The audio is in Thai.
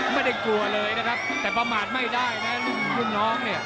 ไม่ได้กลัวเลยนะครับแต่ประมาทไม่ได้นะรุ่นน้องเนี่ย